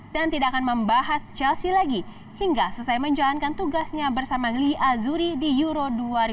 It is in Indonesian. dan tidak akan membahas chelsea lagi hingga selesai menjalankan tugasnya bersama lee azuri di euro dua ribu enam belas